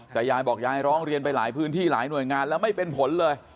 แต่ยายบอกยายร้องเรียนไปหลายพื้นที่หลายหน่วยงานแล้วไม่เป็นผลเลย